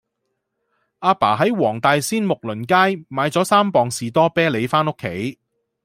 亞爸喺黃大仙睦鄰街買左三磅士多啤梨返屋企